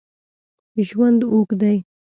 ژوند اوږد دی